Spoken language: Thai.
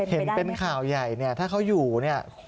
เห็นเป็นข่าวใหญ่เนี่ยถ้าเขาอยู่เนี่ย